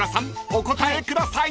お答えください］